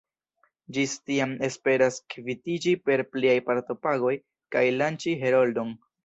Ĝis tiam mi esperas kvitiĝi per pliaj partopagoj kaj lanĉi Heroldon.